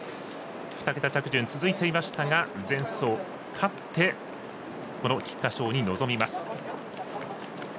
２桁着順、続いていましたが前走、勝ってこの菊花賞に臨みます。